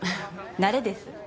慣れです。